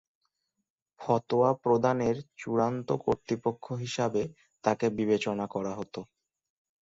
ফতোয়া প্রদানের চূড়ান্ত কর্তৃপক্ষ হিসেবে তাকে বিবেচনা করা হত।